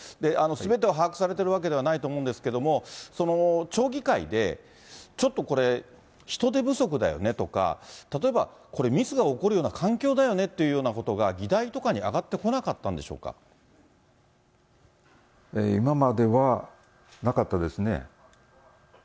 すべてを把握されているわけではないと思うんですけども、町議会で、ちょっとこれ、人手不足だよねとか、例えばこれ、ミスが起こるような環境だよねってことが議題とかに上がってこな今まではなかったですね。